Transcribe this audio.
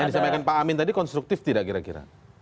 yang disampaikan pak amin tadi konstruktif tidak kira kira